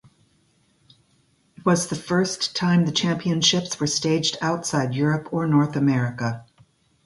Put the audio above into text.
It was the first time the Championships were staged outside Europe or North America.